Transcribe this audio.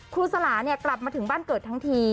ครูสลาคกลับมาถึงบ้านเกิดทั้งที